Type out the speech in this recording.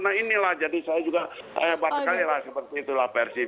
nah inilah jadi saya juga hebat sekali lah seperti itulah persib